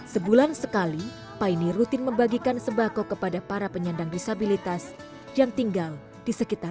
sebulan sekali paine rutin membagikan sembako kepada para penyandang disabilitas yang tinggal di sekitar